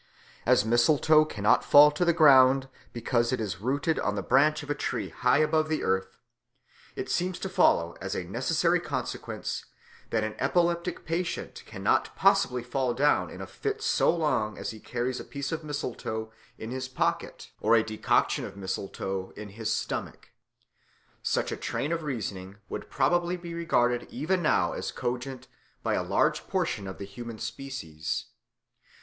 As mistletoe cannot fall to the ground because it is rooted on the branch of a tree high above the earth, it seems to follow as a necessary consequence that an epileptic patient cannot possibly fall down in a fit so long as he carries a piece of mistletoe in his pocket or a decoction of mistletoe in his stomach. Such a train of reasoning would probably be regarded even now as cogent by a large portion of the human species.